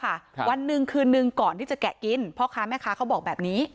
ครับวันหนึ่งคืนนึงก่อนที่จะแกะกินพ่อค้าแม่ค้าเขาบอกแบบนี้